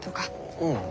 うん。